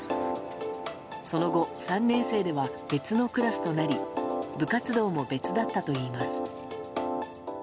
その後、３年生では別のクラスとなり部活動も別だったといいます。